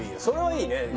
それはいいね